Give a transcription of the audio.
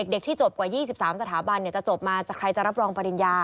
เด็กที่จบกว่า๒๓สถาบันจะจบมาจากใครจะรับรองปริญญา